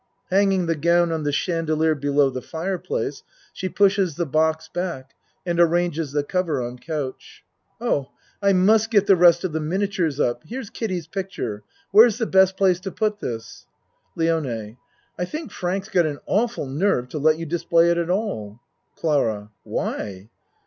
(Hanging the gown on the chandelier below the fireplace she pushes the box back and arranges the cover on couch.) Oh, I must get the rest of the miniatures up. Here's Kiddie's picture. Where's the best place to put this? LIONE I think Frank's got an awful nerve to let you display it at all. CLARA Why?